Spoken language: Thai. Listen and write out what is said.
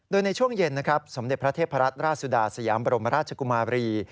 โดยในช่วงเย็นนะครับสมเด็จพระเทพรัตนราชสุดาสยามบรมราชกุมาบรี